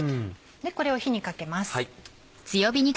これを火にかけます。